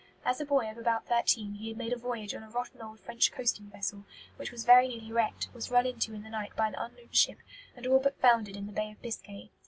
As a boy of about thirteen he had made a voyage on a rotten old French coasting vessel, which was very nearly wrecked; was run into in the night by an unknown ship; and all but foundered in the Bay of Biscay.